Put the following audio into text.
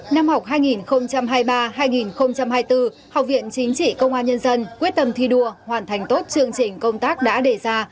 năm học hai nghìn hai mươi ba hai nghìn hai mươi bốn học viện chính trị công an nhân dân quyết tâm thi đua hoàn thành tốt chương trình công tác đã đề ra